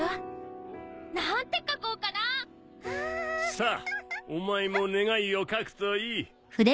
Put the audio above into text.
さあお前も願いを書くといい。